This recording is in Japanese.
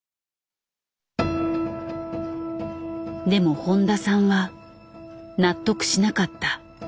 でも誉田さんは納得しなかった。